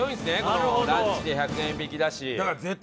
このランチで１００円引きだし。